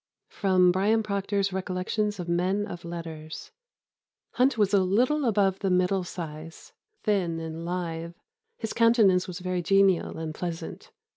[Sidenote: Bryan Procter's Recollections of Men of Letters.] "Hunt was a little above the middle size, thin and lithe. His countenance was very genial and pleasant.